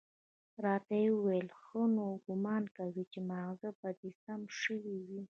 راته ويې ويل ښه نو ګومان کوم چې ماغزه به دې سم شوي وي.